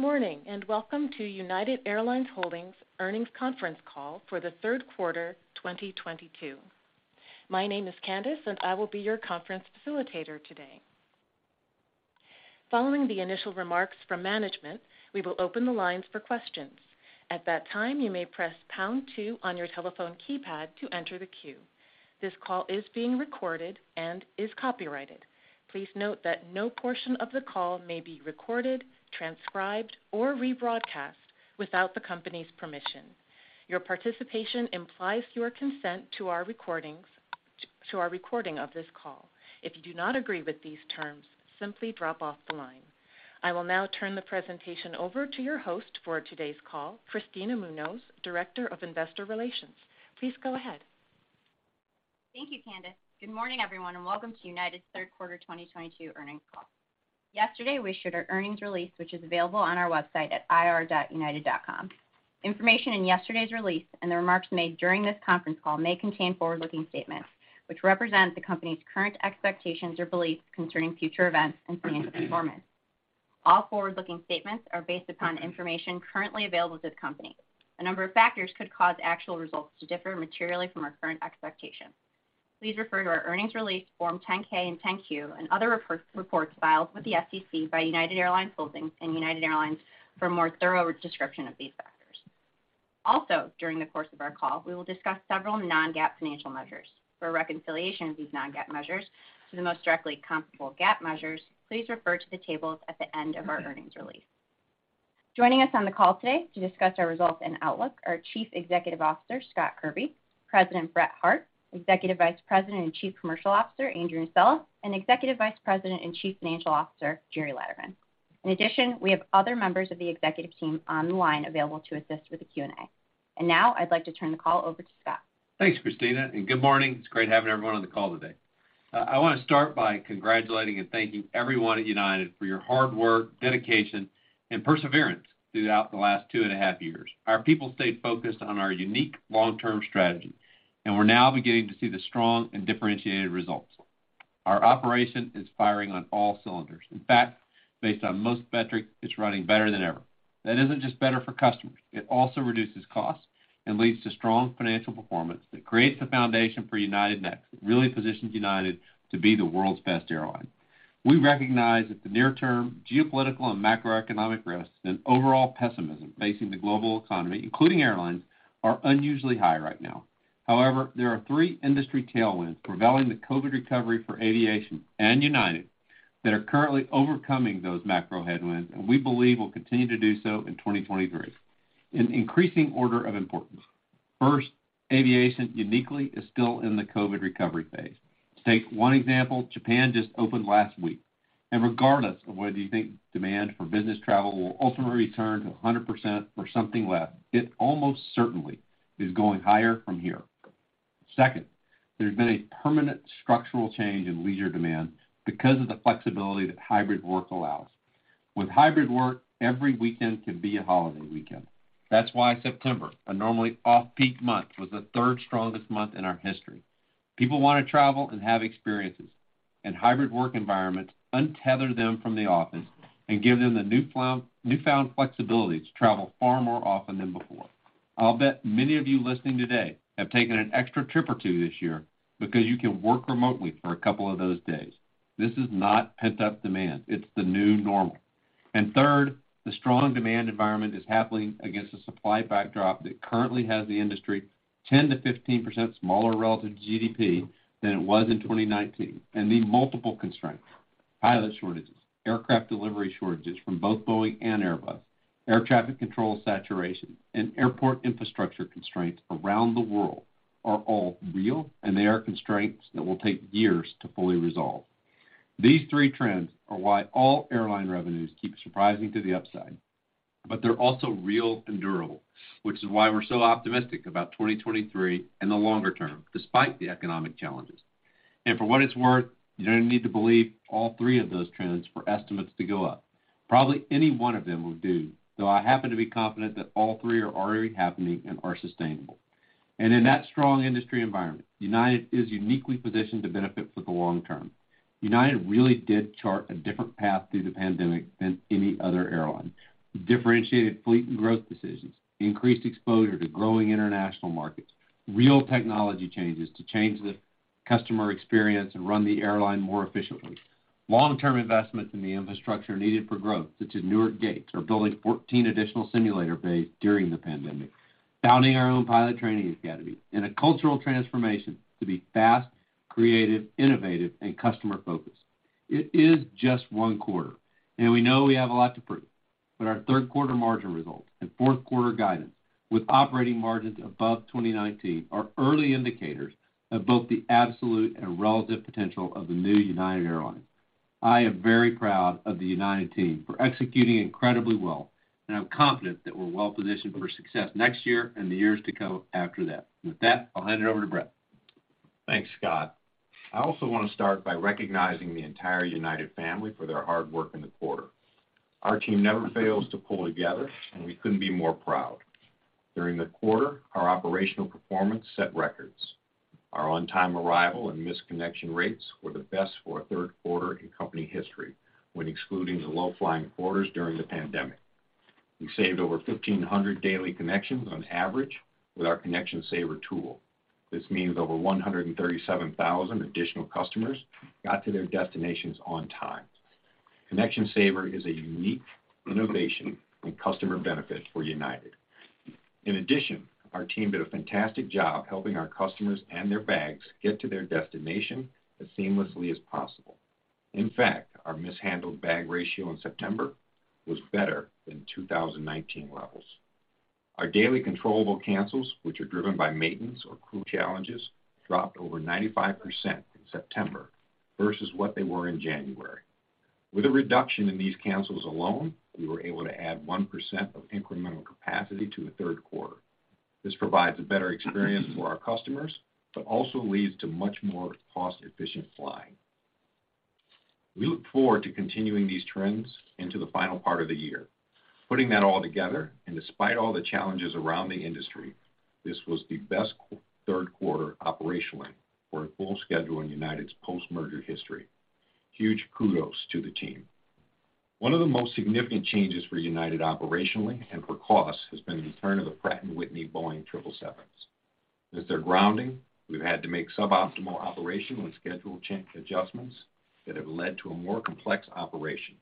Good morning, and welcome to United Airlines Holdings earnings conference call for the third quarter 2022. My name is Candice, and I will be your conference facilitator today. Following the initial remarks from management, we will open the lines for questions. At that time, you may press pound two on your telephone keypad to enter the queue. This call is being recorded and is copyrighted. Please note that no portion of the call may be recorded, transcribed, or rebroadcast without the company's permission. Your participation implies your consent to our recording of this call. If you do not agree with these terms, simply drop off the line. I will now turn the presentation over to your host for today's call, Kristina Munoz, Director of Investor Relations. Please go ahead. Thank you, Candice. Good morning, everyone, and welcome to United's third quarter 2022 earnings call. Yesterday, we issued our earnings release, which is available on our website at ir.united.com. Information in yesterday's release and the remarks made during this conference call may contain forward-looking statements, which represent the company's current expectations or beliefs concerning future events and financial performance. All forward-looking statements are based upon information currently available to the company. A number of factors could cause actual results to differ materially from our current expectations. Please refer to our earnings release, Form 10-K and 10-Q and other reports filed with the SEC by United Airlines Holdings and United Airlines for a more thorough description of these factors. Also, during the course of our call, we will discuss several non-GAAP financial measures. For a reconciliation of these non-GAAP measures to the most directly comparable GAAP measures, please refer to the tables at the end of our earnings release. Joining us on the call today to discuss our results and outlook are Chief Executive Officer, Scott Kirby, President, Brett Hart, Executive Vice President and Chief Commercial Officer, Andrew Nocella, and Executive Vice President and Chief Financial Officer, Gerry Laderman. In addition, we have other members of the executive team on the line available to assist with the Q&A. Now I'd like to turn the call over to Scott. Thanks, Christina, and good morning. It's great having everyone on the call today. I wanna start by congratulating and thanking everyone at United for your hard work, dedication, and perseverance throughout the last two and a half years. Our people stayed focused on our unique long-term strategy, and we're now beginning to see the strong and differentiated results. Our operation is firing on all cylinders. In fact, based on most metrics, it's running better than ever. That isn't just better for customers, it also reduces costs and leads to strong financial performance that creates the foundation for United Next. It really positions United to be the world's best airline. We recognize that the near-term geopolitical and macroeconomic risks and overall pessimism facing the global economy, including airlines, are unusually high right now. However, there are three industry tailwinds propelling the COVID recovery for aviation and United that are currently overcoming those macro headwinds, and we believe will continue to do so in 2023. In increasing order of importance, first, aviation uniquely is still in the COVID recovery phase. To take one example, Japan just opened last week. Regardless of whether you think demand for business travel will ultimately return to 100% or something less, it almost certainly is going higher from here. Second, there's been a permanent structural change in leisure demand because of the flexibility that hybrid work allows. With hybrid work, every weekend can be a holiday weekend. That's why September, a normally off-peak month, was the third strongest month in our history. People wanna travel and have experiences, and hybrid work environments untether them from the office and give them the newfound flexibility to travel far more often than before. I'll bet many of you listening today have taken an extra trip or two this year because you can work remotely for a couple of those days. This is not pent-up demand, it's the new normal. Third, the strong demand environment is happening against a supply backdrop that currently has the industry 10%-15% smaller relative to GDP than it was in 2019. The multiple constraints, pilot shortages, aircraft delivery shortages from both Boeing and Airbus, air traffic control saturation, and airport infrastructure constraints around the world are all real, and they are constraints that will take years to fully resolve. These three trends are why all airline revenues keep surprising to the upside, but they're also real and durable, which is why we're so optimistic about 2023 and the longer term, despite the economic challenges. For what it's worth, you don't need to believe all three of those trends for estimates to go up. Probably any one of them will do, though I happen to be confident that all three are already happening and are sustainable. In that strong industry environment, United is uniquely positioned to benefit for the long term. United really did chart a different path through the pandemic than any other airline. Differentiated fleet and growth decisions, increased exposure to growing international markets, real technology changes to change the customer experience and run the airline more efficiently. Long-term investments in the infrastructure needed for growth, such as Newark gates or building 14 additional simulator bays during the pandemic, founding our own pilot training academy, and a cultural transformation to be fast, creative, innovative, and customer-focused. It is just one quarter, and we know we have a lot to prove, but our third quarter margin results and fourth quarter guidance with operating margins above 2019 are early indicators of both the absolute and relative potential of the new United Airlines. I am very proud of the United team for executing incredibly well, and I'm confident that we're well-positioned for success next year and the years to come after that. With that, I'll hand it over to Brett. Thanks, Scott. I also wanna start by recognizing the entire United family for their hard work in the quarter. Our team never fails to pull together, and we couldn't be more proud. During the quarter, our operational performance set records. Our on-time arrival and missed connection rates were the best for a third quarter in company history when excluding the low-flying quarters during the pandemic. We saved over 1,500 daily connections on average with our ConnectionSaver tool. This means over 137,000 additional customers got to their destinations on time. ConnectionSaver is a unique innovation and customer benefit for United. In addition, our team did a fantastic job helping our customers and their bags get to their destination as seamlessly as possible. In fact, our mishandled bag ratio in September was better than 2019 levels. Our daily controllable cancels, which are driven by maintenance or crew challenges, dropped over 95% in September versus what they were in January. With a reduction in these cancels alone, we were able to add 1% of incremental capacity to the third quarter. This provides a better experience for our customers, but also leads to much more cost-efficient flying. We look forward to continuing these trends into the final part of the year. Putting that all together, and despite all the challenges around the industry, this was the best third quarter operationally for a full schedule in United's post-merger history. Huge kudos to the team. One of the most significant changes for United operationally and for cost has been the return of the Pratt & Whitney Boeing 777s. With their grounding, we've had to make suboptimal operational and schedule adjustments that have led to a more complex operation,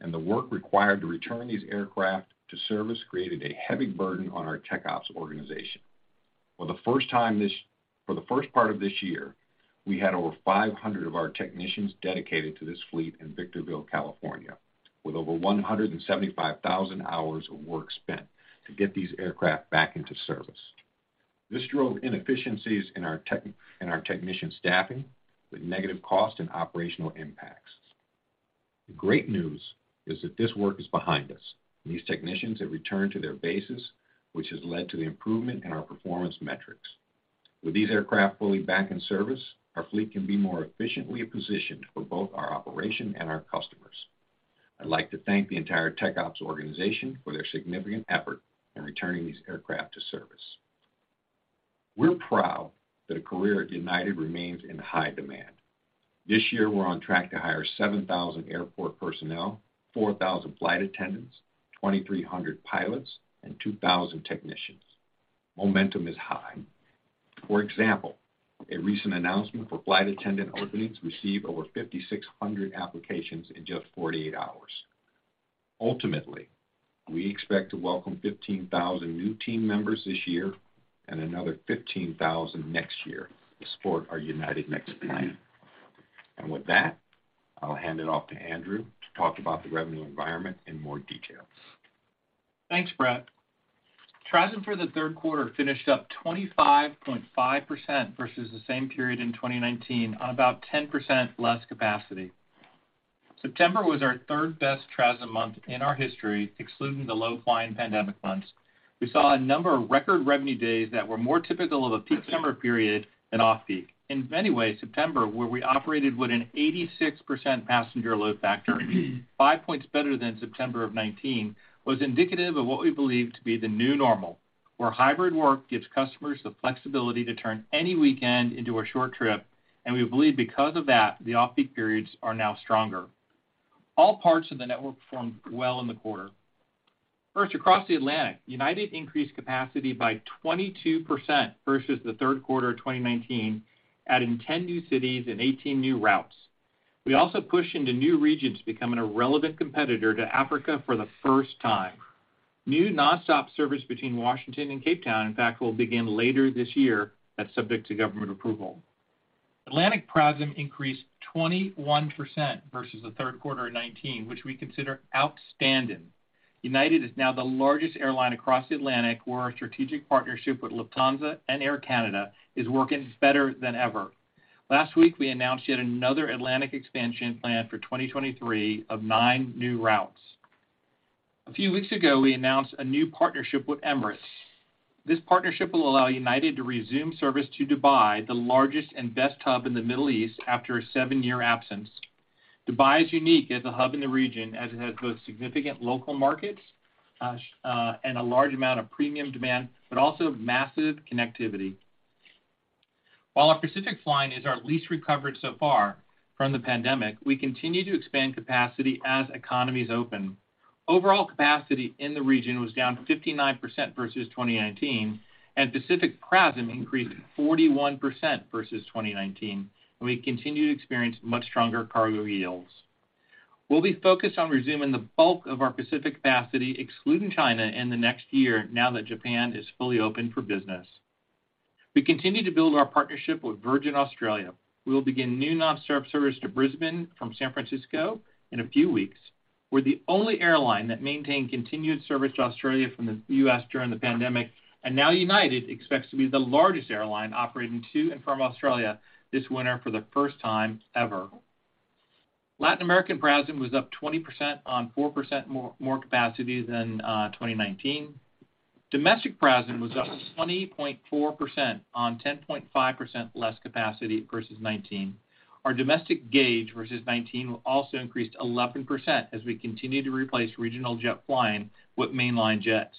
and the work required to return these aircraft to service created a heavy burden on our tech ops organization. For the first part of this year, we had over 500 of our technicians dedicated to this fleet in Victorville, California, with over 175,000 hours of work spent to get these aircraft back into service. This drove inefficiencies in our technician staffing with negative cost and operational impacts. The great news is that this work is behind us, and these technicians have returned to their bases, which has led to the improvement in our performance metrics. With these aircraft fully back in service, our fleet can be more efficiently positioned for both our operation and our customers. I'd like to thank the entire tech ops organization for their significant effort in returning these aircraft to service. We're proud that a career at United remains in high demand. This year, we're on track to hire 7,000 airport personnel, 4,000 flight attendants, 2,300 pilots, and 2,000 technicians. Momentum is high. For example, a recent announcement for flight attendant openings received over 5,600 applications in just 48 hours. Ultimately, we expect to welcome 15,000 new team members this year and another 15,000 next year to support our United Next plan. With that, I'll hand it off to Andrew to talk about the revenue environment in more details. Thanks, Brett. TRASM for the third quarter finished up 25.5% versus the same period in 2019 on about 10% less capacity. September was our third-best TRASM month in our history, excluding the low-flying pandemic months. We saw a number of record revenue days that were more typical of a peak summer period than off-peak. In many ways, September, where we operated with an 86% passenger load factor, 5 points better than September of 2019, was indicative of what we believe to be the new normal, where hybrid work gives customers the flexibility to turn any weekend into a short trip, and we believe because of that, the off-peak periods are now stronger. All parts of the network performed well in the quarter. First, across the Atlantic, United increased capacity by 22% versus the third quarter of 2019, adding 10 new cities and 18 new routes. We also pushed into new regions, becoming a relevant competitor in Africa for the first time. New nonstop service between Washington and Cape Town, in fact, will begin later this year, that's subject to government approval. Atlantic PRASM increased 21% versus the third quarter of 2019, which we consider outstanding. United is now the largest airline across the Atlantic, where our strategic partnership with Lufthansa and Air Canada is working better than ever. Last week, we announced yet another Atlantic expansion plan for 2023 of nine new routes. A few weeks ago, we announced a new partnership with Emirates. This partnership will allow United to resume service to Dubai, the largest and best hub in the Middle East, after a seven-year absence. Dubai is unique as a hub in the region as it has both significant local markets and a large amount of premium demand, but also massive connectivity. While our Pacific line is our least recovered so far from the pandemic, we continue to expand capacity as economies open. Overall capacity in the region was down 59% versus 2019, and Pacific PRASM increased 41% versus 2019, and we continue to experience much stronger cargo yields. We'll be focused on resuming the bulk of our Pacific capacity, excluding China, in the next year now that Japan is fully open for business. We continue to build our partnership with Virgin Australia. We will begin new nonstop service to Brisbane from San Francisco in a few weeks. We're the only airline that maintained continued service to Australia from the U.S.. during the pandemic, and now United expects to be the largest airline operating to and from Australia this winter for the first time ever. Latin American PRASM was up 20% on 4% more capacity than 2019. Domestic PRASM was up 20.4% on 10.5% less capacity versus 2019. Our domestic gauge versus 2019 also increased 11% as we continue to replace regional jet flying with mainline jets.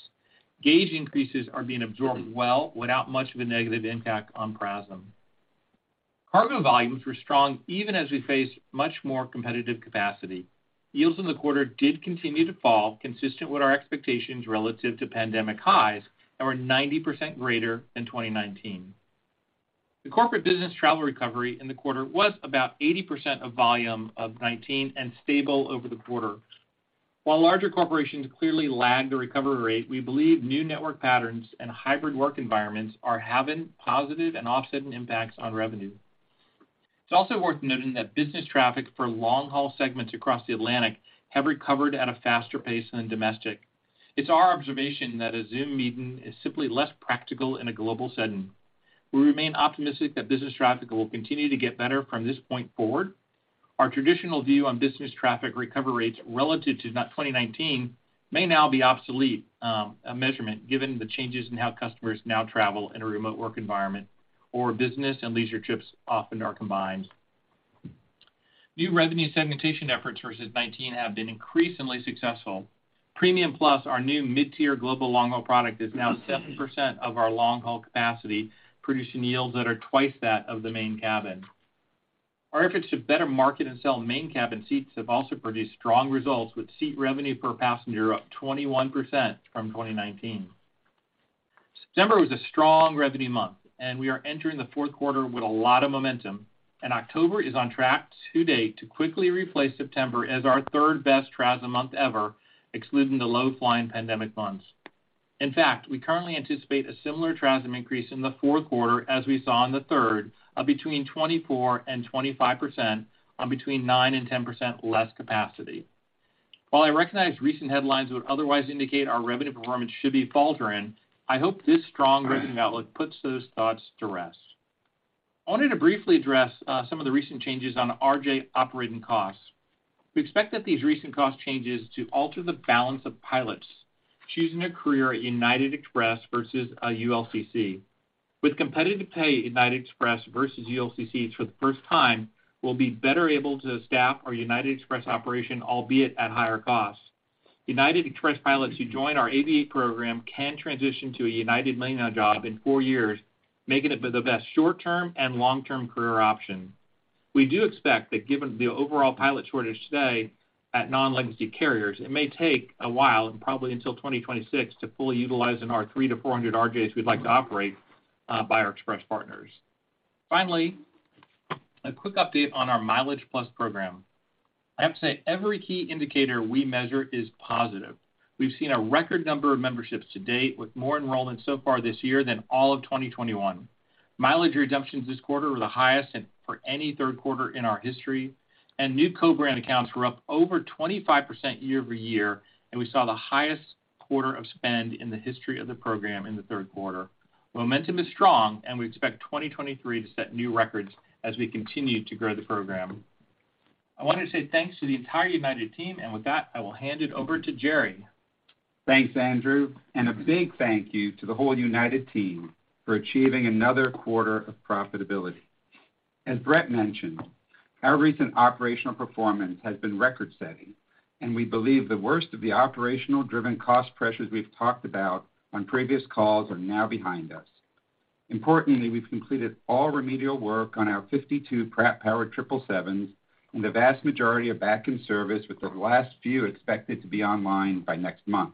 Gauge increases are being absorbed well without much of a negative impact on PRASM. Cargo volumes were strong even as we faced much more competitive capacity. Yields in the quarter did continue to fall consistent with our expectations relative to pandemic highs and were 90% greater than 2019. The corporate business travel recovery in the quarter was about 80% of volume of 2019 and stable over the quarter. While larger corporations clearly lagged the recovery rate, we believe new network patterns and hybrid work environments are having positive and offsetting impacts on revenue. It's also worth noting that business traffic for long-haul segments across the Atlantic have recovered at a faster pace than domestic. It's our observation that a Zoom meeting is simply less practical in a global setting. We remain optimistic that business traffic will continue to get better from this point forward. Our traditional view on business traffic recovery rates relative to 2019 may now be obsolete, a measurement given the changes in how customers now travel in a remote work environment where business and leisure trips often are combined. New revenue segmentation efforts versus 2019 have been increasingly successful. Premium Plus, our new mid-tier global long-haul product, is now 7% of our long-haul capacity, producing yields that are twice that of the main cabin. Our efforts to better market and sell main cabin seats have also produced strong results with seat revenue per passenger up 21% from 2019. September was a strong revenue month, and we are entering the fourth quarter with a lot of momentum, and October is on track to date to quickly replace September as our third-best TRASM month ever, excluding the low-flying pandemic months. In fact, we currently anticipate a similar TRASM increase in the fourth quarter as we saw in the third of between 24% and 25% on between 9% and 10% less capacity. While I recognize recent headlines would otherwise indicate our revenue performance should be faltering, I hope this strong revenue outlook puts those thoughts to rest. I wanted to briefly address some of the recent changes on RJ operating costs. We expect that these recent cost changes to alter the balance of pilots choosing a career at United Express versus a ULCC. With competitive pay at United Express versus ULCCs for the first time, we'll be better able to staff our United Express operation, albeit at higher costs. United Express pilots who join our Aviate program can transition to a United mainline job in four years, making it the best short-term and long-term career option. We do expect that given the overall pilot shortage today at non-legacy carriers, it may take a while, and probably until 2026, to fully utilize in our 300-400 RJs we'd like to operate by our Express partners. Finally, a quick update on our MileagePlus program. I have to say every key indicator we measure is positive. We've seen a record number of memberships to date with more enrollments so far this year than all of 2021. Mileage redemptions this quarter were the highest and for any third quarter in our history, and new co-brand accounts were up over 25% year-over-year, and we saw the highest quarter of spend in the history of the program in the third quarter. Momentum is strong, and we expect 2023 to set new records as we continue to grow the program. I wanted to say thanks to the entire United team, and with that, I will hand it over to Gerry. Thanks, Andrew, and a big thank you to the whole United team for achieving another quarter of profitability. As Brett mentioned, our recent operational performance has been record-setting, and we believe the worst of the operational-driven cost pressures we've talked about on previous calls are now behind us. Importantly, we've completed all remedial work on our 52 Pratt & Whitney-powered 777s, and the vast majority are back in service, with the last few expected to be online by next month.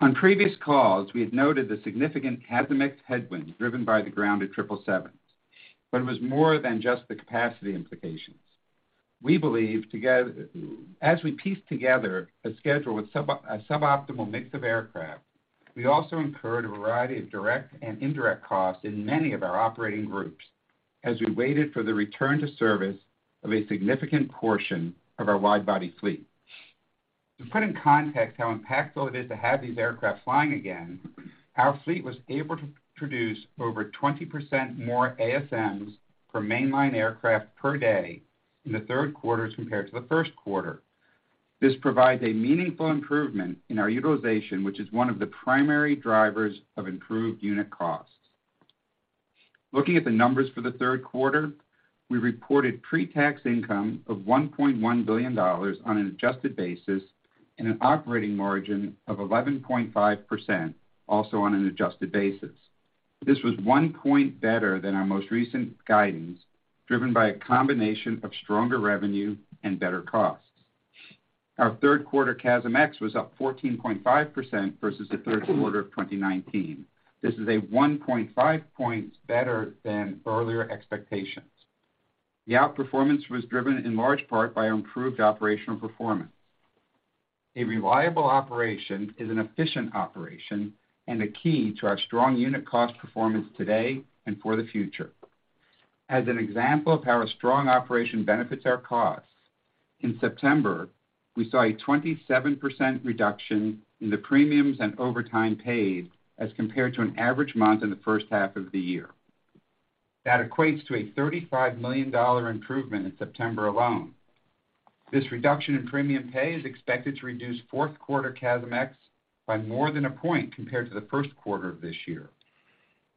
On previous calls, we had noted the significant CASM-ex headwind driven by the grounded triple sevens, but it was more than just the capacity implications. As we piece together a schedule with a suboptimal mix of aircraft, we also incurred a variety of direct and indirect costs in many of our operating groups as we waited for the return to service of a significant portion of our wide-body fleet. To put in context how impactful it is to have these aircraft flying again, our fleet was able to produce over 20% more ASMs for mainline aircraft per day in the third quarter as compared to the first quarter. This provides a meaningful improvement in our utilization, which is one of the primary drivers of improved unit costs. Looking at the numbers for the third quarter, we reported pre-tax income of $1.1 billion on an adjusted basis and an operating margin of 11.5%, also on an adjusted basis. This was one point better than our most recent guidance, driven by a combination of stronger revenue and better costs. Our third quarter CASM-ex was up 14.5% versus the third quarter of 2019. This is 1.5 points better than earlier expectations. The outperformance was driven in large part by our improved operational performance. A reliable operation is an efficient operation and a key to our strong unit cost performance today and for the future. As an example of how a strong operation benefits our costs, in September, we saw a 27% reduction in the premiums and overtime paid as compared to an average month in the first half of the year. That equates to a $35 million improvement in September alone. This reduction in premium pay is expected to reduce fourth quarter CASM-ex by more than a point compared to the first quarter of this year.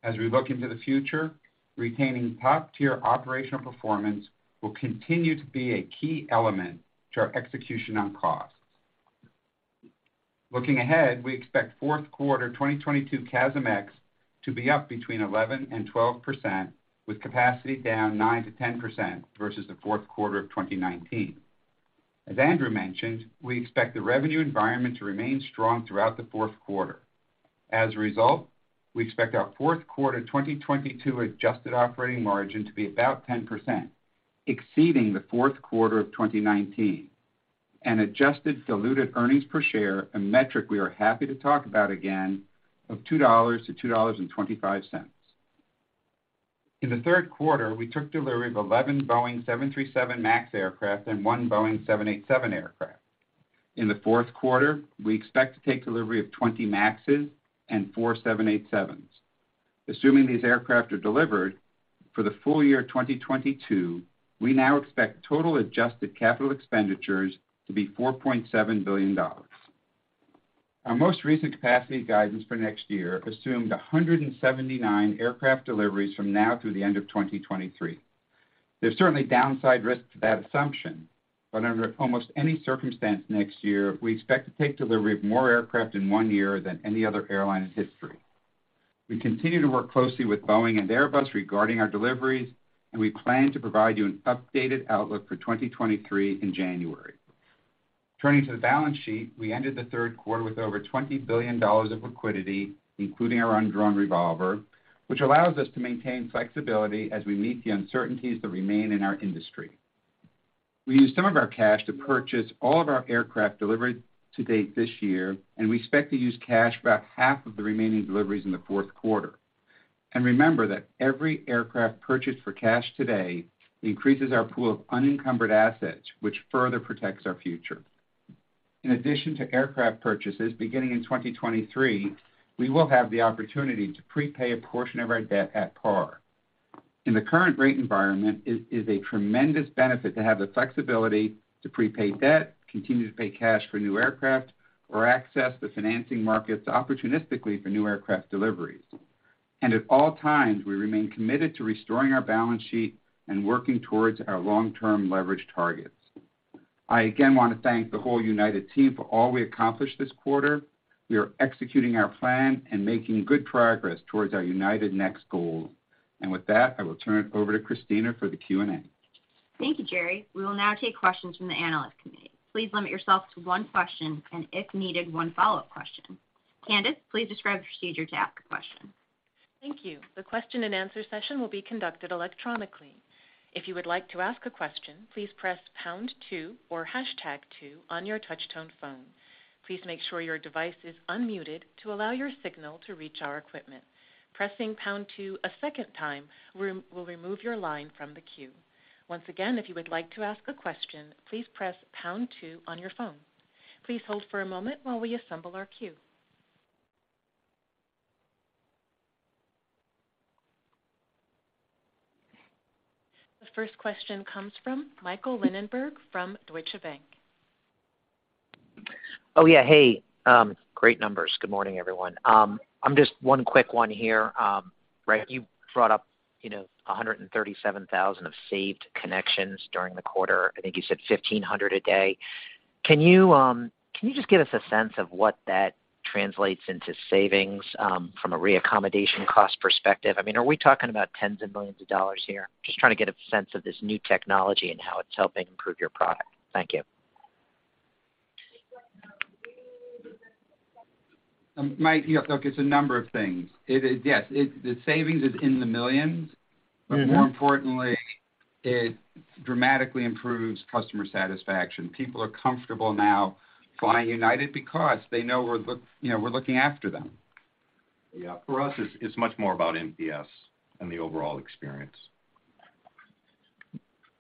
As we look into the future, retaining top-tier operational performance will continue to be a key element to our execution on cost. Looking ahead, we expect fourth quarter 2022 CASM-ex to be up between 11% and 12% with capacity down 9%-10% versus the fourth quarter of 2019. As Andrew mentioned, we expect the revenue environment to remain strong throughout the fourth quarter. As a result, we expect our fourth quarter 2022 adjusted operating margin to be about 10%, exceeding the fourth quarter of 2019, and adjusted diluted earnings per share, a metric we are happy to talk about again, of $2-$2.25. In the third quarter, we took delivery of 11 Boeing 737 MAX aircraft and one Boeing 787 aircraft. In the fourth quarter, we expect to take delivery of 20 MAXes and four 787s. Assuming these aircraft are delivered, for the full year 2022, we now expect total adjusted capital expenditures to be $4.7 billion. Our most recent capacity guidance for next year assumed 179 aircraft deliveries from now through the end of 2023. There's certainly downside risk to that assumption, but under almost any circumstance next year, we expect to take delivery of more aircraft in one year than any other airline in history. We continue to work closely with Boeing and Airbus regarding our deliveries, and we plan to provide you an updated outlook for 2023 in January. Turning to the balance sheet, we ended the third quarter with over $20 billion of liquidity, including our undrawn revolver, which allows us to maintain flexibility as we meet the uncertainties that remain in our industry. We used some of our cash to purchase all of our aircraft deliveries to date this year, and we expect to use cash for about half of the remaining deliveries in the fourth quarter. Remember that every aircraft purchased for cash today increases our pool of unencumbered assets, which further protects our future. In addition to aircraft purchases, beginning in 2023, we will have the opportunity to prepay a portion of our debt at par. In the current rate environment, it is a tremendous benefit to have the flexibility to prepay debt, continue to pay cash for new aircraft, or access the financing markets opportunistically for new aircraft deliveries. At all times, we remain committed to restoring our balance sheet and working towards our long-term leverage targets. I again wanna thank the whole United team for all we accomplished this quarter. We are executing our plan and making good progress towards our United Next goals. With that, I will turn it over to Kristina for the Q&A. Thank you, Gerry. We will now take questions from the analyst committee. Please limit yourself to one question and, if needed, one follow-up question. Candice, please describe the procedure to ask a question. Thank you. The question-and-answer session will be conducted electronically. If you would like to ask a question, please press pound two or hashtag two on your touch-tone phone. Please make sure your device is unmuted to allow your signal to reach our equipment. Pressing pound two a second time will remove your line from the queue. Once again, if you would like to ask a question, please press pound two on your phone. Please hold for a moment while we assemble our queue. The first question comes from Michael Linenberg from Deutsche Bank. Oh, yeah. Hey, great numbers. Good morning, everyone. I just have one quick one here. Right, you brought up, you know, 137,000 saved connections during the quarter. I think you said 1,500 a day. Can you just give us a sense of what that translates into savings from a reaccommodation cost perspective? I mean, are we talking about $10s of millions here? Just trying to get a sense of this new technology and how it's helping improve your product. Thank you. Mike, look, it's a number of things. Yes, the savings is in the millions. Mm-hmm. More importantly, it dramatically improves customer satisfaction. People are comfortable now flying United because they know you know, we're looking after them. Yeah. For us, it's much more about NPS and the overall experience.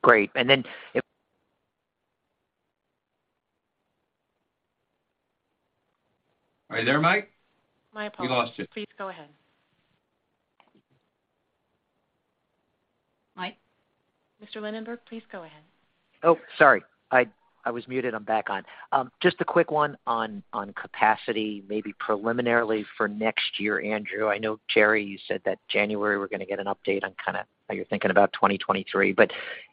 Great. Are you there, Mike? My apologies. We lost you. Please go ahead. Mike? Mr. Linenberg, please go ahead. Oh, sorry. I was muted. I'm back on. Just a quick one on capacity, maybe preliminarily for next year, Andrew. I know, Gerry, you said that January we're gonna get an update on kinda how you're thinking about 2023.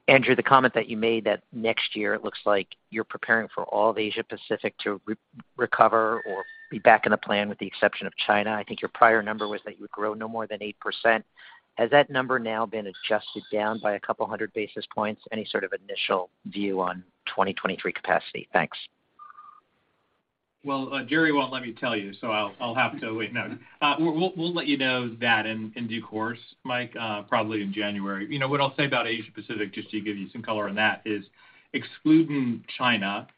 Andrew, the comment that you made that next year it looks like you're preparing for all of Asia Pacific to recover or be back in the plan with the exception of China. I think your prior number was that you would grow no more than 8%. Has that number now been adjusted down by a couple hundred basis points? Any sort of initial view on 2023 capacity? Thanks. Well, Gerry won't let me tell you, so I'll have to wait. We'll let you know that in due course, Mike, probably in January. You know, what I'll say about Asia Pacific, just to give you some color on that, is excluding China,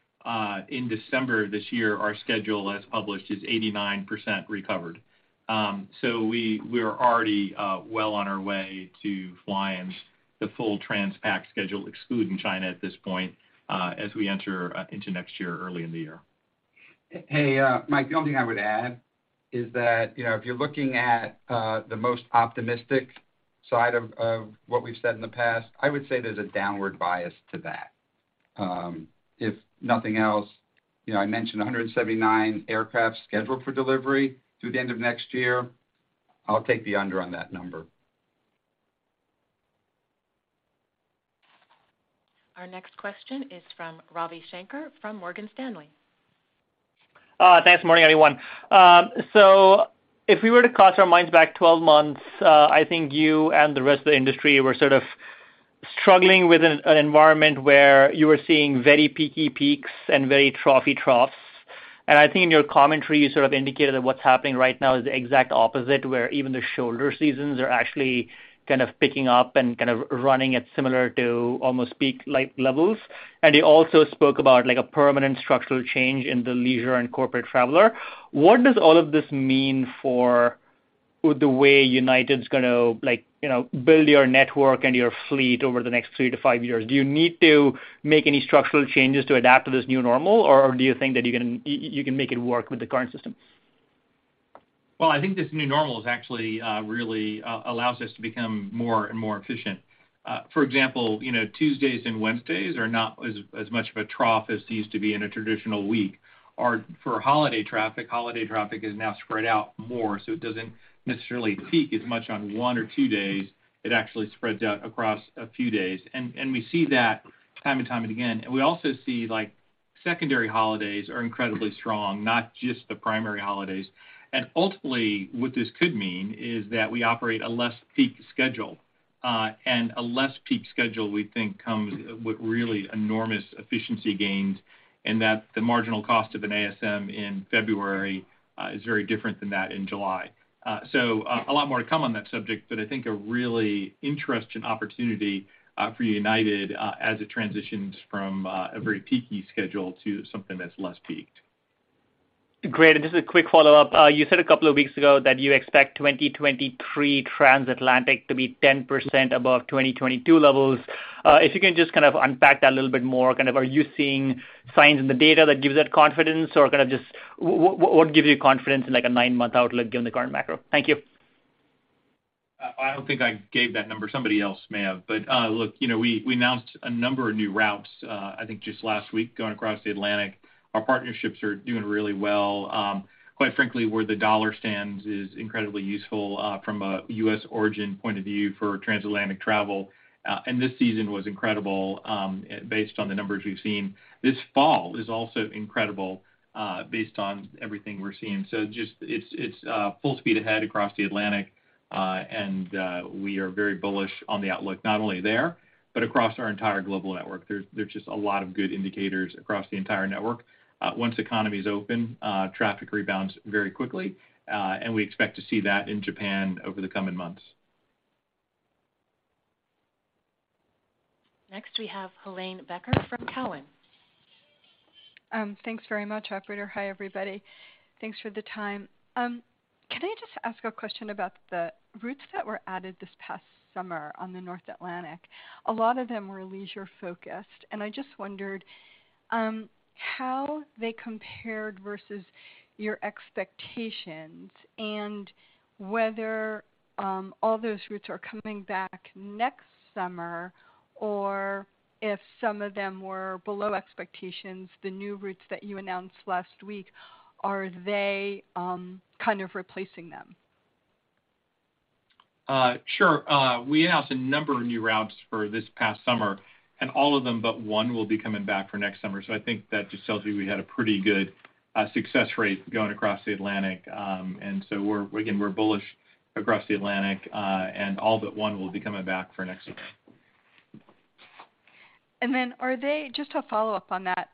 in December this year, our schedule as published is 89% recovered. So we're already well on our way to flying the full transpac schedule, excluding China at this point, as we enter into next year, early in the year. Hey, Mike, the only thing I would add is that, you know, if you're looking at the most optimistic side of what we've said in the past, I would say there's a downward bias to that. If nothing else, you know, I mentioned 179 aircraft scheduled for delivery through the end of next year. I'll take the under on that number. Our next question is from Ravi Shanker from Morgan Stanley. Thanks. Morning, everyone. So if we were to cast our minds back 12 months, I think you and the rest of the industry were sort of struggling with an environment where you were seeing very peaky peaks and very troughy troughs. I think in your commentary, you sort of indicated that what's happening right now is the exact opposite, where even the shoulder seasons are actually kind of picking up and kind of running at similar to almost peak-like levels. You also spoke about, like, a permanent structural change in the leisure and corporate traveler. What does all of this mean for the way United's gonna, like, you know, build your network and your fleet over the next three to five years? Do you need to make any structural changes to adapt to this new normal, or do you think that you can make it work with the current system? Well, I think this new normal is actually really allows us to become more and more efficient. For example, you know, Tuesdays and Wednesdays are not as much of a trough as it used to be in a traditional week. Holiday traffic is now spread out more, so it doesn't necessarily peak as much on one or two days. It actually spreads out across a few days. We see that time and again. We also see, like, secondary holidays are incredibly strong, not just the primary holidays. Ultimately, what this could mean is that we operate a less peak schedule. A less peak schedule, we think comes with really enormous efficiency gains, and that the marginal cost of an ASM in February is very different than that in July. A lot more to come on that subject, but I think a really interesting opportunity for United as it transitions from a very peaky schedule to something that's less peaked. Great. Just a quick follow-up. You said a couple of weeks ago that you expect 2023 transatlantic to be 10% above 2022 levels. If you can just kind of unpack that a little bit more. Kind of, are you seeing signs in the data that gives that confidence or kind of just what gives you confidence in like a nine-month outlook given the current macro? Thank you. I don't think I gave that number. Somebody else may have. Look, you know, we announced a number of new routes I think just last week going across the Atlantic. Our partnerships are doing really well. Quite frankly, where the dollar stands is incredibly useful from a U.S.. origin point of view for transatlantic travel. This season was incredible based on the numbers we've seen. This fall is also incredible based on everything we're seeing. Just it's full speed ahead across the Atlantic. We are very bullish on the outlook, not only there, but across our entire global network. There's just a lot of good indicators across the entire network. Once the economy's open, traffic rebounds very quickly, and we expect to see that in Japan over the coming months. Next, we have Helane Becker from Cowen. Thanks very much, operator. Hi, everybody. Thanks for the time. Can I just ask a question about the routes that were added this past summer on the North Atlantic? A lot of them were leisure-focused, and I just wondered, how they compared versus your expectations and whether, all those routes are coming back next summer, or if some of them were below expectations, the new routes that you announced last week, are they, kind of replacing them? Sure. We announced a number of new routes for this past summer, and all of them but one will be coming back for next summer. I think that just tells you we had a pretty good success rate going across the Atlantic. We're again bullish across the Atlantic, and all but one will be coming back for next summer. Just to follow up on that,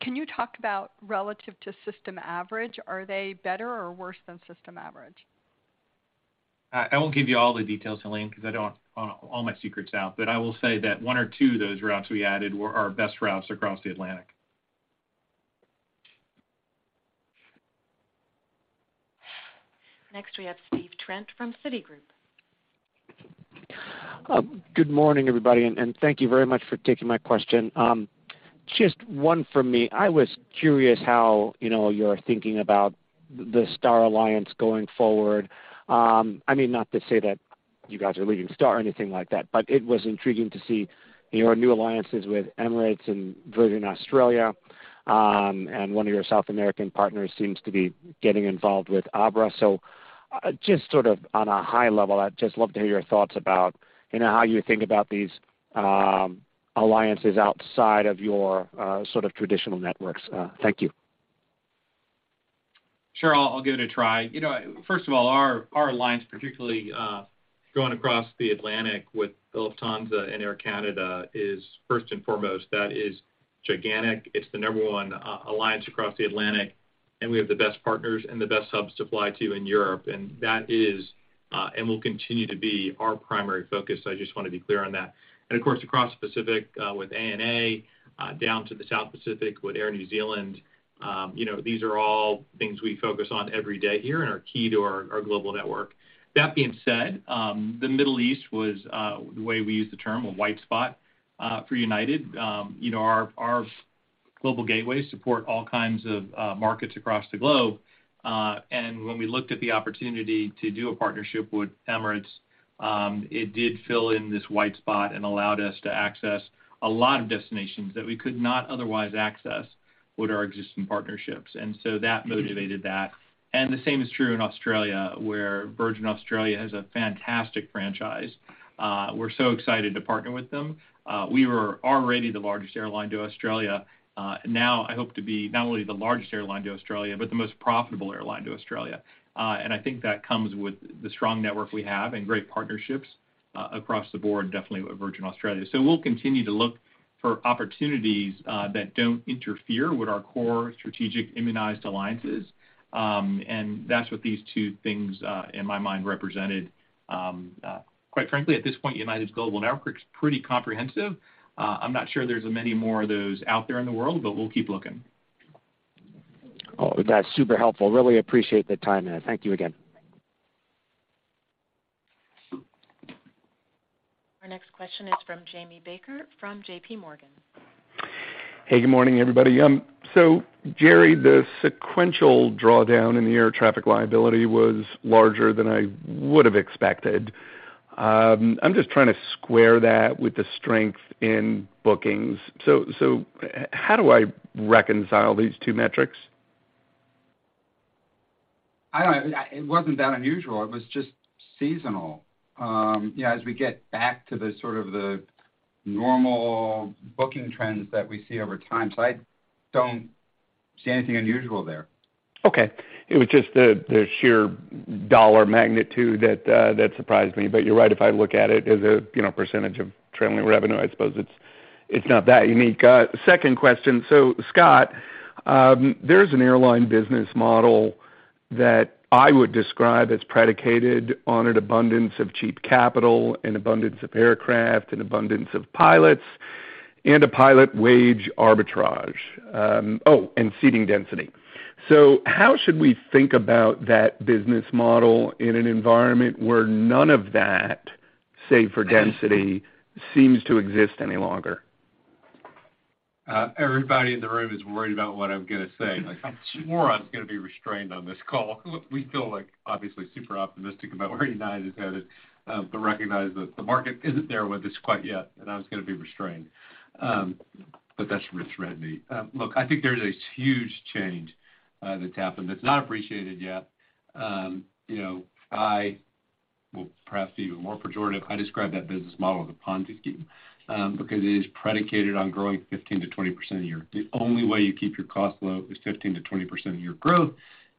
can you talk about relative to system average, are they better or worse than system average? I won't give you all the details, Helane, 'cause I don't want to put all my secrets out. I will say that one or two of those routes we added were our best routes across the Atlantic. Next, we have Stephen Trent from Citigroup. Good morning, everybody, and thank you very much for taking my question. Just one from me. I was curious how, you know, you're thinking about the Star Alliance going forward. I mean, not to say that you guys are leaving Star or anything like that, but it was intriguing to see your new alliances with Emirates and Virgin Australia, and one of your South American partners seems to be getting involved with Abra. So just sort of on a high level, I'd just love to hear your thoughts about, you know, how you think about these alliances outside of your sort of traditional networks. Thank you. Sure. I'll give it a try. You know, first of all, our alliance, particularly going across the Atlantic with Lufthansa and Air Canada is first and foremost. That is gigantic. It's the number one alliance across the Atlantic, and we have the best partners and the best hubs to fly to in Europe. That is and will continue to be our primary focus. I just wanna be clear on that. Of course, across the Pacific with ANA down to the South Pacific with Air New Zealand, you know, these are all things we focus on every day here and are key to our global network. That being said, the Middle East was the way we use the term, a white spot for United. You know, our global gateways support all kinds of markets across the globe. When we looked at the opportunity to do a partnership with Emirates, it did fill in this white space and allowed us to access a lot of destinations that we could not otherwise access with our existing partnerships. That motivated that. The same is true in Australia, where Virgin Australia has a fantastic franchise. We're so excited to partner with them. We were already the largest airline to Australia, and now I hope to be not only the largest airline to Australia, but the most profitable airline to Australia. I think that comes with the strong network we have and great partnerships. Across the board, definitely with Virgin Australia. We'll continue to look for opportunities that don't interfere with our core strategic immunized alliances. That's what these two things in my mind represented. Quite frankly, at this point, United's global network is pretty comprehensive. I'm not sure there's many more of those out there in the world, but we'll keep looking. Oh, that's super helpful. Really appreciate the time. Thank you again. Our next question is from Jamie Baker from JPMorgan. Hey, good morning, everybody. Gerry, the sequential drawdown in the air traffic liability was larger than I would have expected. I'm just trying to square that with the strength in bookings. How do I reconcile these two metrics? It wasn't that unusual. It was just seasonal, you know, as we get back to the sort of the normal booking trends that we see over time. I don't see anything unusual there. Okay. It was just the sheer dollar magnitude that surprised me. You're right. If I look at it as a, you know, percentage of trailing revenue, I suppose it's not that unique. Second question. Scott, there's an airline business model that I would describe as predicated on an abundance of cheap capital, an abundance of aircraft, an abundance of pilots, and a pilot wage arbitrage. And seating density. How should we think about that business model in an environment where none of that, save for density, seems to exist any longer? Everybody in the room is worried about what I'm gonna say. Like, I swore I was gonna be restrained on this call. We feel like, obviously, super optimistic about where United is headed, but recognize that the market isn't there with us quite yet, and I was gonna be restrained. But that's rich, right. Look, I think there's a huge change that's happened that's not appreciated yet. You know, I will perhaps be even more pejorative. I describe that business model as a Ponzi scheme, because it is predicated on growing 15%-20% a year. The only way you keep your costs low is 15%-20% a year growth,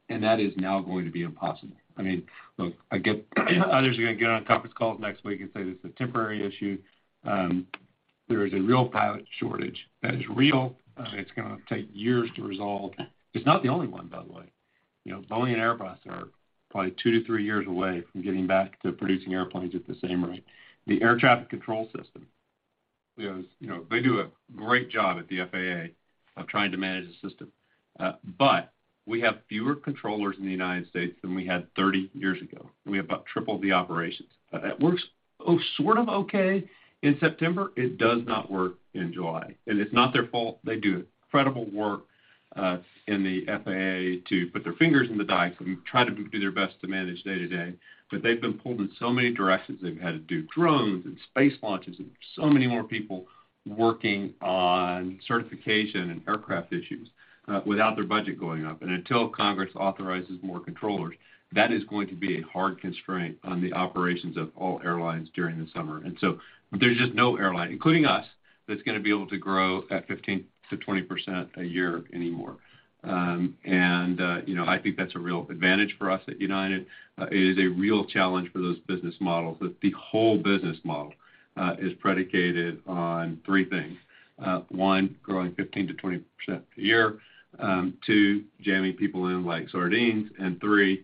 and that is now going to be impossible. I mean, look, I get others are gonna get on a conference call next week and say this is a temporary issue. There is a real pilot shortage that is real. It's gonna take years to resolve. It's not the only one, by the way. You know, Boeing and Airbus are probably two to three years away from getting back to producing airplanes at the same rate. The air traffic control system, you know, they do a great job at the FAA of trying to manage the system. But we have fewer controllers in the United States than we had 30 years ago. We have about triple the operations. It works, sort of okay in September. It does not work in July. It's not their fault. They do incredible work in the FAA to put their fingers in the dike and try to do their best to manage day-to-day. They've been pulled in so many directions. They've had to do drones and space launches, and so many more people working on certification and aircraft issues without their budget going up. Until Congress authorizes more controllers, that is going to be a hard constraint on the operations of all airlines during the summer. There's just no airline, including us, that's gonna be able to grow at 15%-20% a year anymore. I think that's a real advantage for us at United. It is a real challenge for those business models that the whole business model is predicated on three things. One, growing 15%-20% a year. Two, jamming people in like sardines. Three,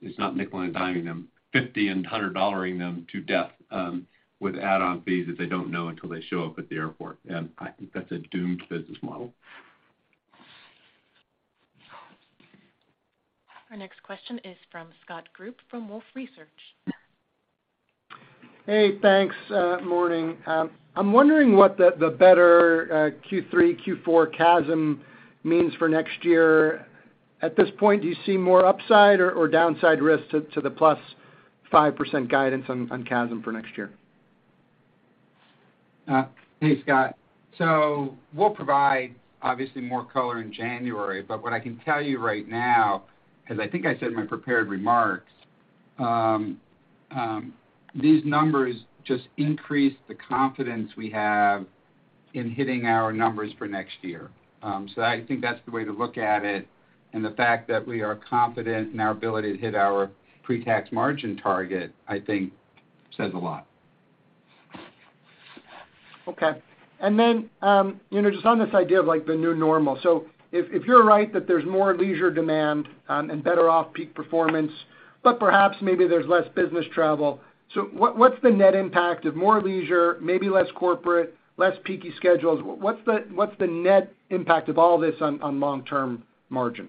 it's not nickel and diming them, $50 and $100 dollaring them to death, with add-on fees that they don't know until they show up at the airport. I think that's a doomed business model. Our next question is from Scott Group from Wolfe Research. Hey, thanks. Morning. I'm wondering what the better Q3, Q4 CASM means for next year. At this point, do you see more upside or downside risks to the +5% guidance on CASM for next year? Hey, Scott. We'll provide obviously more color in January, but what I can tell you right now, as I think I said in my prepared remarks, these numbers just increase the confidence we have in hitting our numbers for next year. I think that's the way to look at it. The fact that we are confident in our ability to hit our pre-tax margin target, I think says a lot. You know, just on this idea of, like, the new normal. If you're right that there's more leisure demand, and better off-peak performance, but perhaps maybe there's less business travel. What's the net impact of more leisure, maybe less corporate, less peaky schedules? What's the net impact of all this on long-term margin?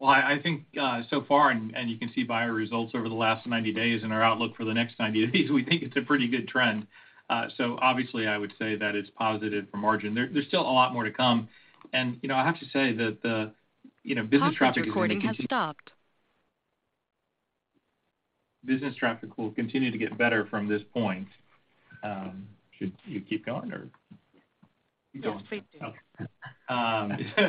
Well, I think so far you can see by our results over the last 90 days and our outlook for the next 90 days, we think it's a pretty good trend. Obviously, I would say that it's positive for margin. There's still a lot more to come. You know, I have to say that you know, business traffic is gonna cont- Recording has stopped. Business traffic will continue to get better from this point. Should you keep going, or? Yes, please do. Okay.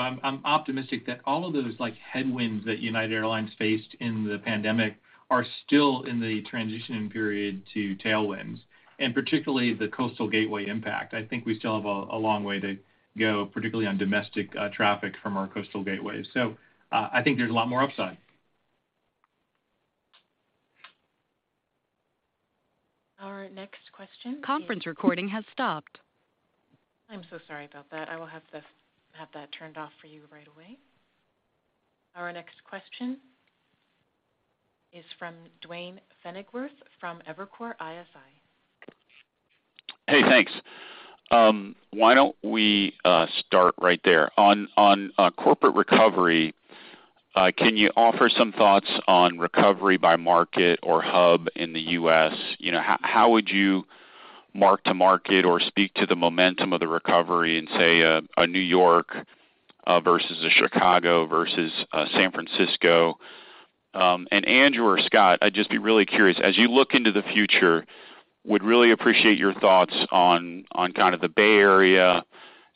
I'm optimistic that all of those like headwinds that United Airlines faced in the pandemic are still in the transitioning period to tailwinds, and particularly the coastal gateway impact. I think we still have a long way to go, particularly on domestic traffic from our coastal gateways. I think there's a lot more upside. Our next question is. Conference recording has stopped. I'm so sorry about that. I will have that turned off for you right away. Our next question is from Duane Pfennigwerth from Evercore ISI. Hey, thanks. Why don't we start right there? On corporate recovery, can you offer some thoughts on recovery by market or hub in the U.S..? You know, how would you mark to market or speak to the momentum of the recovery in, say, a New York versus a Chicago versus San Francisco? And Andrew or Scott, I'd just be really curious, as you look into the future, would really appreciate your thoughts on kind of the Bay Area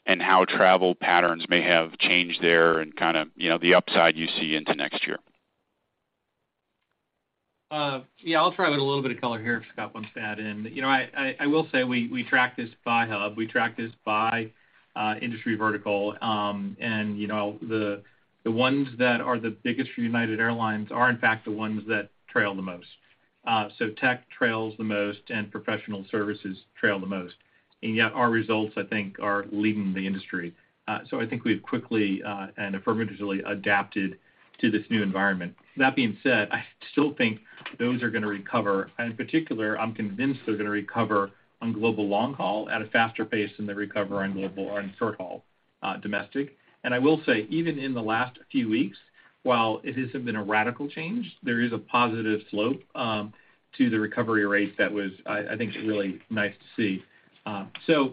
and how travel patterns may have changed there and kind of, you know, the upside you see into next year. Yeah, I'll throw out a little bit of color here if Scott wants to add in. You know, I will say we track this by hub. We track this by industry vertical. You know, the ones that are the biggest for United Airlines are in fact the ones that trail the most. So tech trails the most and professional services trail the most. Yet our results, I think, are leading the industry. So I think we've quickly and affirmatively adapted to this new environment. That being said, I still think those are gonna recover. In particular, I'm convinced they're gonna recover on global long haul at a faster pace than they recover on short haul domestic. I will say, even in the last few weeks, while it hasn't been a radical change, there is a positive slope to the recovery rate that, I think, is really nice to see.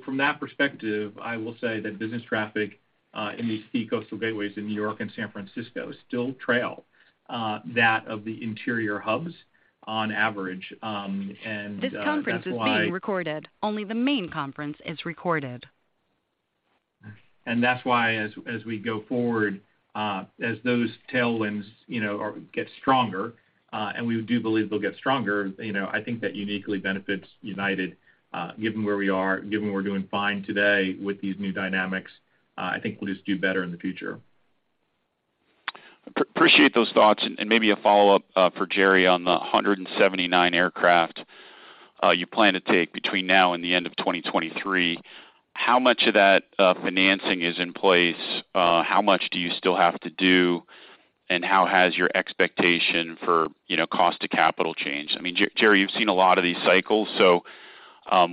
From that perspective, I will say that business traffic in these key coastal gateways in New York and San Francisco still trail that of the interior hubs on average. That's why- This conference is being recorded. Only the main conference is recorded. That's why as we go forward, as those tailwinds, you know, get stronger, and we do believe they'll get stronger, you know, I think that uniquely benefits United, given where we are, given we're doing fine today with these new dynamics, I think we'll just do better in the future. Appreciate those thoughts, and maybe a follow-up for Gerry on the 179 aircraft you plan to take between now and the end of 2023. How much of that financing is in place? How much do you still have to do? And how has your expectation for, you know, cost to capital changed? I mean, Gerry, you've seen a lot of these cycles, so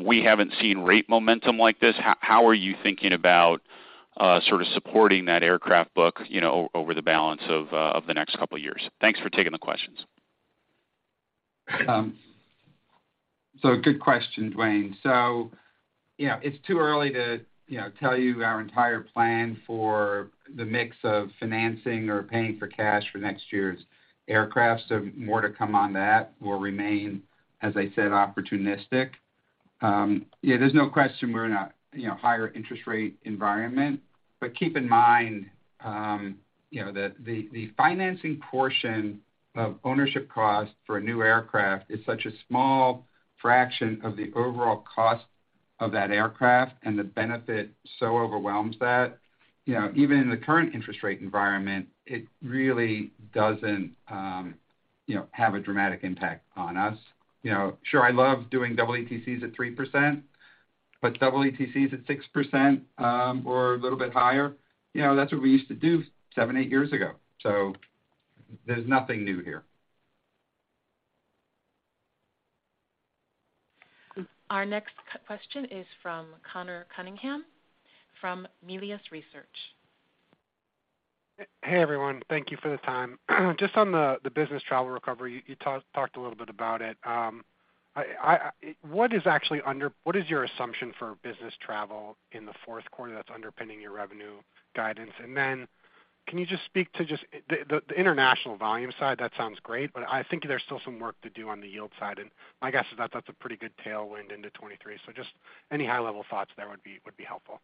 we haven't seen rate momentum like this. How are you thinking about sort of supporting that aircraft book, you know, over the balance of the next couple years? Thanks for taking the questions. Good question, Duane. You know, it's too early to, you know, tell you our entire plan for the mix of financing or paying for cash for next year's aircraft, so more to come on that. We'll remain, as I said, opportunistic. Yeah, there's no question we're in a, you know, higher interest rate environment. Keep in mind, you know, the financing portion of ownership cost for a new aircraft is such a small fraction of the overall cost of that aircraft, and the benefit so overwhelms that. You know, even in the current interest rate environment, it really doesn't, you know, have a dramatic impact on us. You know, sure, I love doing EETCs at 3%, but EETCs at 6% or a little bit higher, you know, that's what we used to do seven to eight years ago. There's nothing new here. Our next question is from Conor Cunningham from Melius Research. Hey, everyone. Thank you for the time. Just on the business travel recovery, you talked a little bit about it. What is your assumption for business travel in the fourth quarter that's underpinning your revenue guidance? Can you just speak to just the international volume side? That sounds great, but I think there's still some work to do on the yield side. My guess is that that's a pretty good tailwind into 2023. Just any high-level thoughts there would be helpful.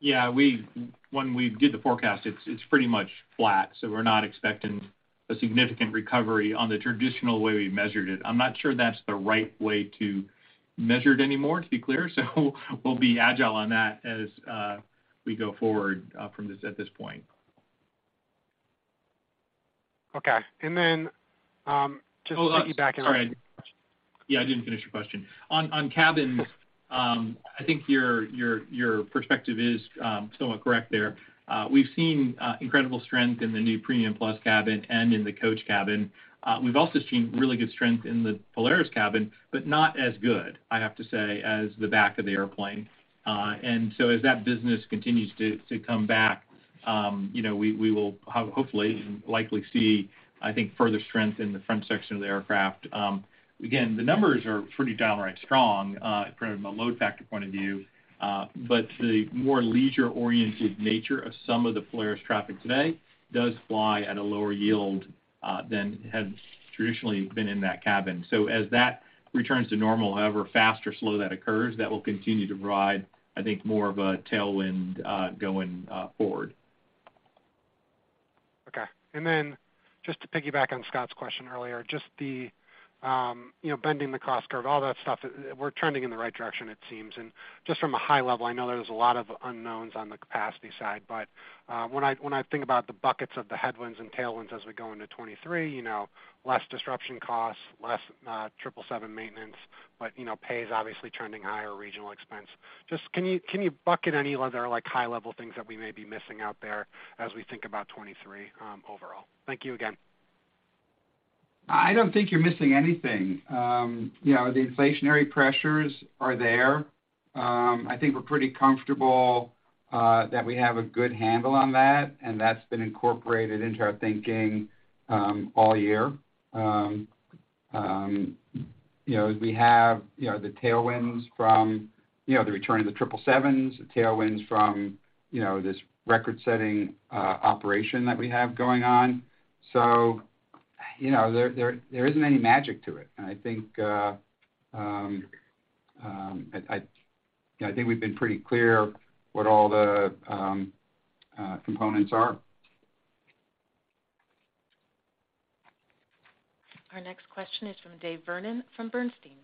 Yeah. When we did the forecast, it's pretty much flat, so we're not expecting a significant recovery on the traditional way we measured it. I'm not sure that's the right way to measure it anymore, to be clear, so we'll be agile on that as we go forward from this at this point. Okay. Just to get you back in. Sorry. Yeah, I didn't finish your question. On cabins, I think your perspective is somewhat correct there. We've seen incredible strength in the new Premium Plus cabin and in the coach cabin. We've also seen really good strength in the Polaris cabin, but not as good, I have to say, as the back of the airplane. As that business continues to come back, you know, we will hopefully likely see, I think, further strength in the front section of the aircraft. Again, the numbers are pretty downright strong from a load factor point of view. The more leisure-oriented nature of some of the Polaris traffic today does fly at a lower yield than has traditionally been in that cabin. As that returns to normal, however fast or slow that occurs, that will continue to provide, I think, more of a tailwind, going forward. Okay. Just to piggyback on Scott's question earlier, just the, you know, bending the cost curve, all that stuff, we're trending in the right direction, it seems. Just from a high level, I know there's a lot of unknowns on the capacity side, but when I think about the buckets of the headwinds and tailwinds as we go into 2023, you know, less disruption costs, less 777 maintenance, but, you know, pay is obviously trending higher, regional expense. Just can you bucket any other, like, high-level things that we may be missing out there as we think about 2023, overall? Thank you again. I don't think you're missing anything. You know, the inflationary pressures are there. I think we're pretty comfortable that we have a good handle on that, and that's been incorporated into our thinking all year. You know, we have you know, the tailwinds from you know, the return of the triple sevens, the tailwinds from you know, this record-setting operation that we have going on. You know, there isn't any magic to it. I think we've been pretty clear what all the components are. Our next question is from David Vernon from Bernstein.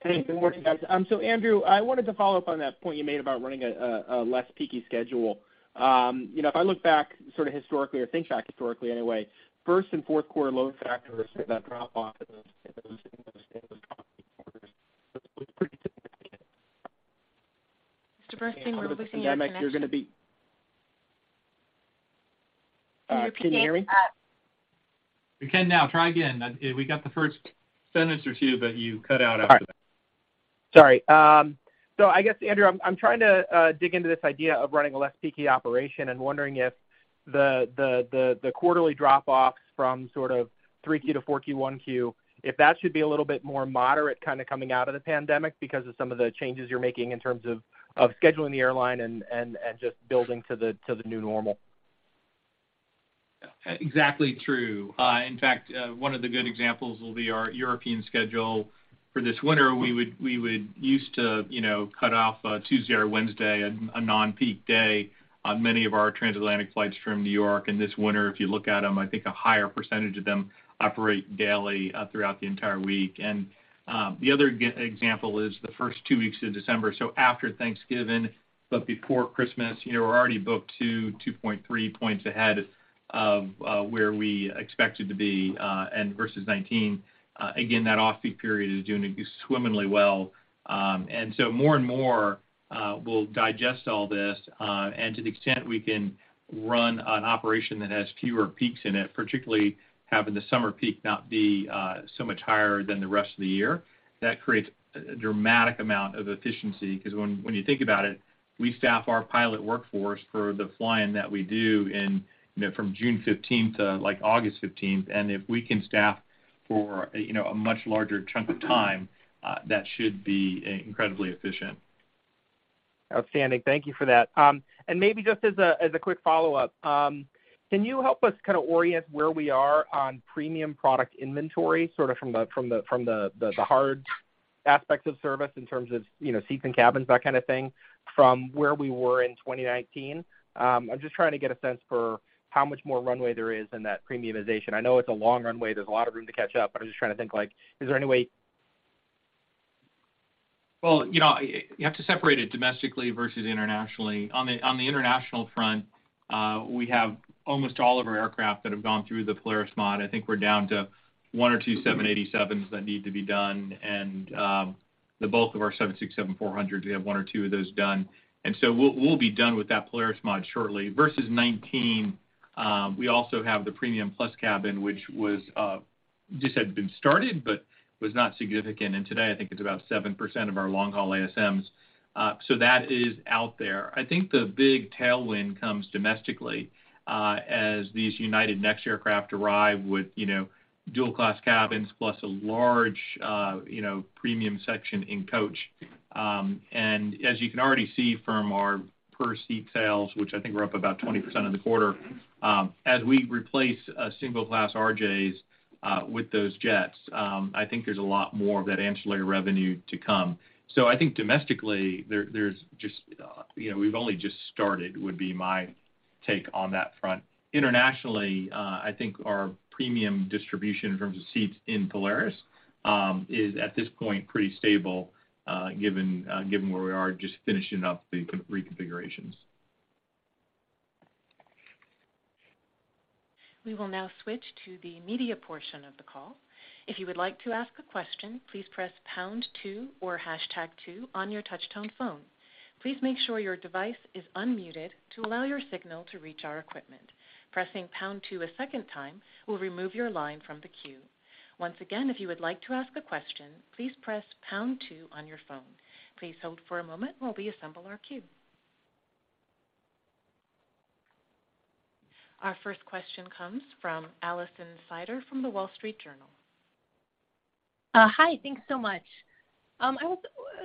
Hey, good morning, guys. Andrew, I wanted to follow up on that point you made about running a less peaky schedule. You know, if I look back sort of historically or think back historically anyway, first and fourth quarter load factors that drop off in those quarters looks pretty significant. You're gonna be. Can you We can now. Try again. We got the first sentence or two, but you cut out after that. All right. Sorry. I guess, Andrew, I'm trying to dig into this idea of running a less peaky operation and wondering if the quarterly drop-offs from sort of 3Q to 4Q, 1Q, if that should be a little bit more moderate kind of coming out of the pandemic because of some of the changes you're making in terms of scheduling the airline and just building to the new normal. Exactly true. In fact, one of the good examples will be our European schedule for this winter. We used to, you know, cut off Tuesday or Wednesday, a non-peak day on many of our transatlantic flights from New York. This winter, if you look at them, I think a higher percentage of them operate daily throughout the entire week. The other good example is the first two weeks of December, so after Thanksgiving, but before Christmas, you know, we're already booked to 2.3 points ahead of where we expected to be and versus 2019. Again, that off-peak period is doing swimmingly well. More and more, we'll digest all this, and to the extent we can run an operation that has fewer peaks in it, particularly having the summer peak not be so much higher than the rest of the year, that creates a dramatic amount of efficiency. 'Cause when you think about it, we staff our pilot workforce for the flying that we do in, you know, from June fifteenth to, like, August fifteenth. If we can staff for, you know, a much larger chunk of time, that should be incredibly efficient. Outstanding. Thank you for that. Maybe just as a quick follow-up, can you help us kind of orient where we are on premium product inventory, sort of from the hard aspects of service in terms of, you know, seats and cabins, that kind of thing, from where we were in 2019? I'm just trying to get a sense for how much more runway there is in that premiumization. I know it's a long runway. There's a lot of room to catch up, but I'm just trying to think, like, is there any way... Well, you know, you have to separate it domestically versus internationally. On the international front, we have almost all of our aircraft that have gone through the Polaris mod. I think we're down to one or two 787s that need to be done. The bulk of our 767-400s, we have one or two of those done. We'll be done with that Polaris mod shortly. Versus 2019, we also have the Premium Plus cabin, which was just had been started, but was not significant. Today, I think it's about 7% of our long-haul ASMs. That is out there. I think the big tailwind comes domestically, as these United Next aircraft arrive with, you know, dual class cabins plus a large, you know, premium section in coach. As you can already see from our per seat sales, which I think we're up about 20% in the quarter, as we replace single-class RJs with those jets, I think there's a lot more of that ancillary revenue to come. I think domestically there's just, you know, we've only just started, would be my take on that front. Internationally, I think our premium distribution in terms of seats in Polaris is at this point pretty stable, given where we are just finishing up the reconfigurations. We will now switch to the media portion of the call. If you would like to ask a question, please press pound two or hashtag two on your touch-tone phone. Please make sure your device is unmuted to allow your signal to reach our equipment. Pressing pound two a second time will remove your line from the queue. Once again, if you would like to ask a question, please press pound two on your phone. Please hold for a moment while we assemble our queue. Our first question comes from Alison Sider from The Wall Street Journal.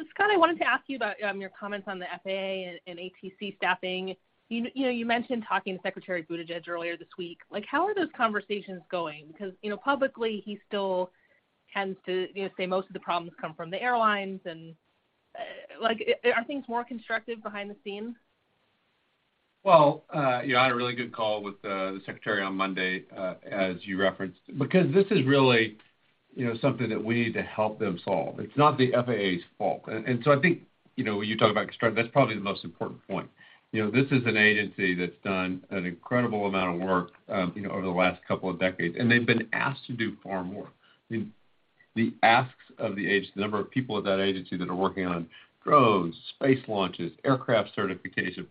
Scott, I wanted to ask you about your comments on the FAA and ATC staffing. You know, you mentioned talking to Secretary Buttigieg earlier this week. Like, how are those conversations going? Because, you know, publicly, he still tends to, you know, say most of the problems come from the airlines and Like, are things more constructive behind the scenes? Well, you know, I had a really good call with the secretary on Monday, as you referenced, because this is really, you know, something that we need to help them solve. It's not the FAA's fault. I think, you know, when you talk about construct, that's probably the most important point. You know, this is an agency that's done an incredible amount of work, you know, over the last couple of decades, and they've been asked to do far more. I mean, the asks of the agency, the number of people at that agency that are working on drones, space launches, aircraft certification programs,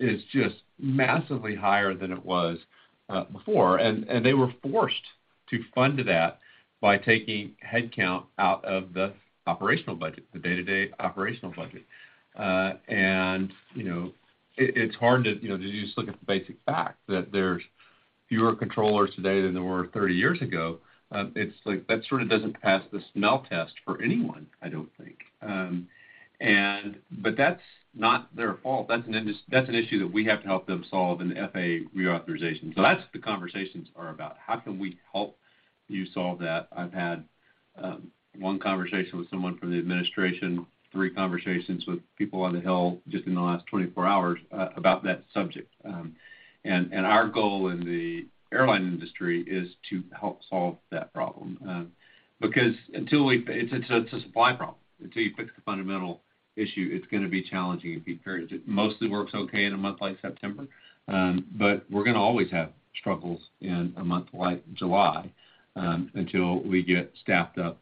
is just massively higher than it was, before. They were forced to fund that by taking headcount out of the operational budget, the day-to-day operational budget. You know, it's hard to just look at the basic fact that there's fewer controllers today than there were 30 years ago. It's like that sort of doesn't pass the smell test for anyone I don't think. That's not their fault. That's an issue that we have to help them solve in the FAA reauthorization. That's what the conversations are about. How can we help you solve that? I've had one conversation with someone from the administration, three conversations with people on the Hill just in the last 24 hours about that subject. Our goal in the airline industry is to help solve that problem. Because until we fix it's a supply problem. Until you fix the fundamental issue, it's gonna be challenging in peak periods. It mostly works okay in a month like September, but we're gonna always have struggles in a month like July until we get staffed up,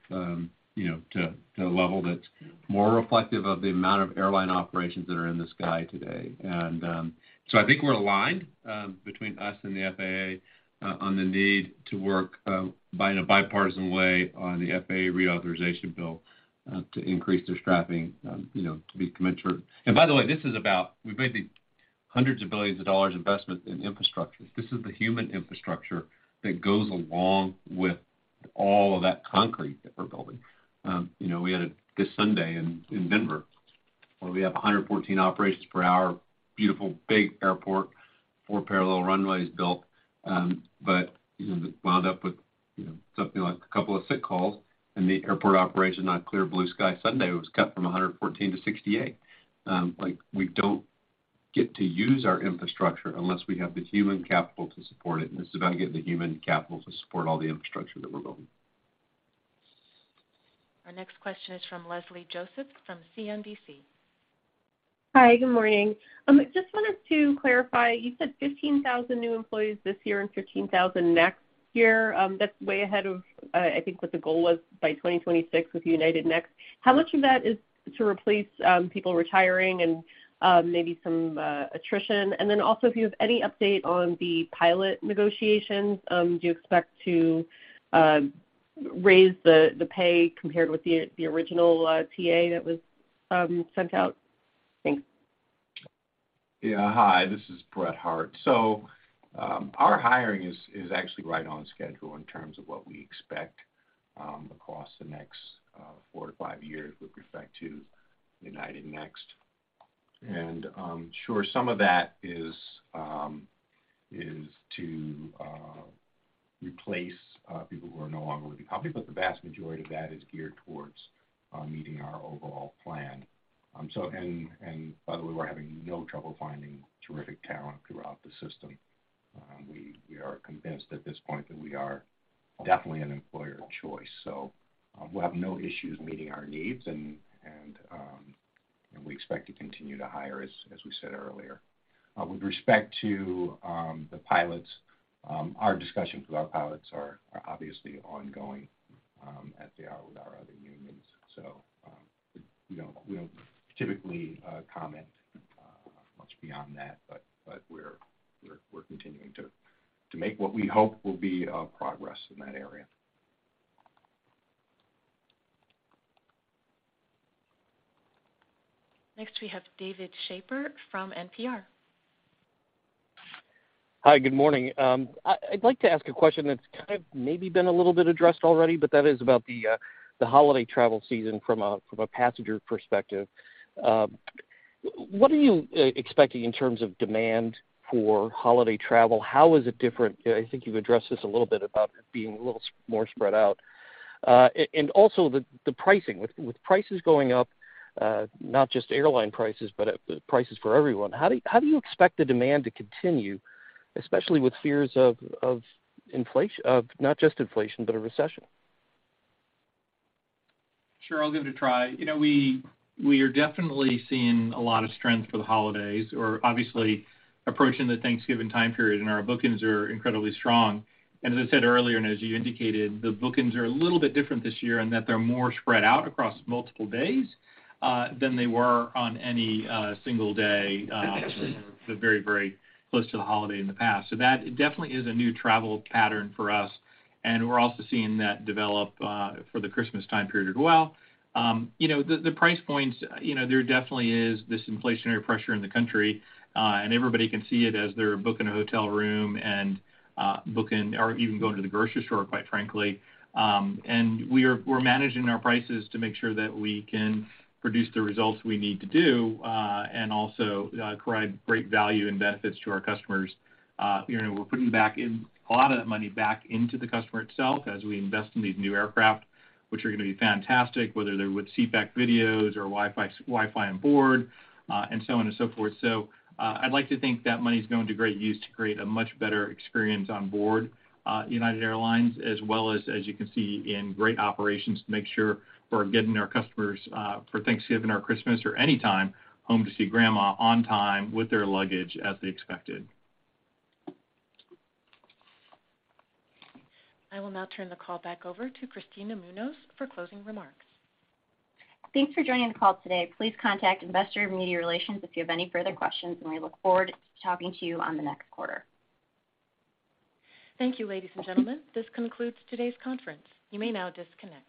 you know, to a level that's more reflective of the amount of airline operations that are in the sky today. I think we're aligned between us and the FAA on the need to work in a bipartisan way on the FAA reauthorization bill to increase their staffing, you know, to be commensurate. By the way, this is about. We've made the hundreds of billions dollars investment in infrastructure. This is the human infrastructure that goes along with all of that concrete that we're building. This Sunday in Denver, where we have 114 operations per hour, beautiful, big airport, four parallel runways built, but you know, wound up with, you know, something like a couple of sick calls, and the airport operation on clear blue sky Sunday was cut from 114 to 68. Like we don't get to use our infrastructure unless we have the human capital to support it, and it's about getting the human capital to support all the infrastructure that we're building. Our next question is from Leslie Josephs from CNBC. Hi, good morning. Just wanted to clarify, you said 15,000 new employees this year and 15,000 next year. That's way ahead of, I think what the goal was by 2026 with United Next. How much of that is to replace people retiring and maybe some attrition? Then also, if you have any update on the pilot negotiations, do you expect to raise the pay compared with the original TA that was sent out? Thanks. Yeah. Hi, this is Brett Hart. Our hiring is actually right on schedule in terms of what we expect across the next four to five years with respect to United Next. Sure, some of that is to replace people who are no longer with the company, but the vast majority of that is geared towards meeting our overall plan. By the way, we're having no trouble finding terrific talent throughout the system. We are convinced at this point that we are definitely an employer of choice. We'll have no issues meeting our needs and we expect to continue to hire as we said earlier. With respect to the pilots, our discussions with our pilots are obviously ongoing, as they are with our other unions. We don't typically comment much beyond that, but we're continuing to make what we hope will be progress in that area. Next, we have David Schaper from NPR. Hi, good morning. I'd like to ask a question that's kind of maybe been a little bit addressed already, that is about the holiday travel season from a passenger perspective. What are you expecting in terms of demand for holiday travel? How is it different? I think you've addressed this a little bit about it being a little more spread out. Also the pricing. With prices going up, not just airline prices, but prices for everyone, how do you expect the demand to continue, especially with fears of not just inflation, but a recession? Sure, I'll give it a try. You know, we are definitely seeing a lot of strength for the holidays. We're obviously approaching the Thanksgiving time period, and our bookings are incredibly strong. As I said earlier, and as you indicated, the bookings are a little bit different this year in that they're more spread out across multiple days than they were on any single day, the very close to the holiday in the past. That definitely is a new travel pattern for us, and we're also seeing that develop for the Christmas time period as well. You know, the price points, you know, there definitely is this inflationary pressure in the country, and everybody can see it as they're booking a hotel room and booking or even going to the grocery store, quite frankly. We're managing our prices to make sure that we can produce the results we need to do, and also provide great value and benefits to our customers. You know, we're putting back in a lot of that money back into the customer itself as we invest in these new aircraft, which are gonna be fantastic, whether they're with seat back videos or Wi-Fi on board, and so on and so forth. I'd like to think that money's going to great use to create a much better experience on board United Airlines, as well as you can see, in great operations to make sure we're getting our customers for Thanksgiving or Christmas or any time, home to see grandma on time with their luggage as they expected. I will now turn the call back over to Kristina Munoz for closing remarks. Thanks for joining the call today. Please contact Investor or Media Relations if you have any further questions, and we look forward to talking to you in the next quarter. Thank you, ladies and gentlemen. This concludes today's conference. You may now disconnect.